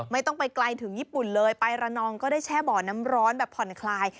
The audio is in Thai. ไม่ต้องไปไกลถึงญี่ปุ่นเลยไประนองก็ได้แช่บ่อน้ำร้อนแบบผ่อนคลาย